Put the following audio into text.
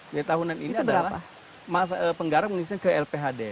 biar tahunan ini adalah penggaram ke lphd